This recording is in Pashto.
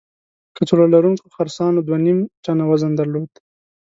کڅوړه لرونکو خرسانو دوه نیم ټنه وزن درلود.